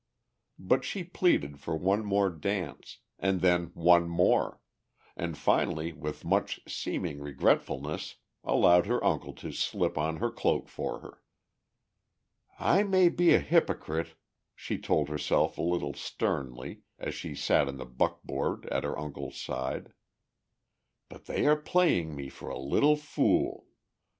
But she pleaded for one more dance, and then one more, and finally with much seeming regretfulness allowed her uncle to slip on her cloak for her. "I may be a hypocrite," she told herself a little sternly, as she sat in the buckboard at her uncle's side. "But they are playing me for a little fool!